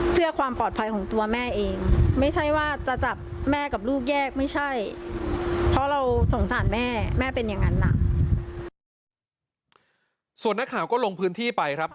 ส่วนนักข่าวก็ลงพื้นที่ไปครับ